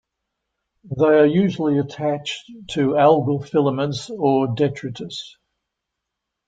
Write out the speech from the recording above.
They are usually attached to algal filaments or detritus.